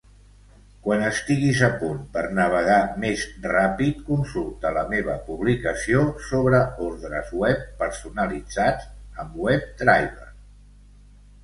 Quan estiguis a punt per navegar més ràpid, consulta la meva publicació sobre ordres web personalitzats amb WebDriver.